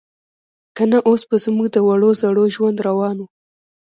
که نه اوس به زموږ د وړو زړو ژوند روان و.